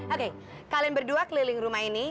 oke kalian berdua keliling rumah ini